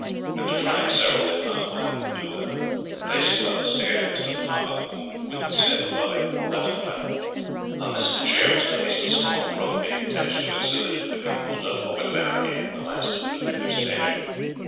After trying several they found one that would do, and on placing it on the stair next to the top it formed with the step above it a level platform. On this the chair was placed, a strong rope being attached to it so that it could be pulled up over the barricade when the last of the defenders had entered.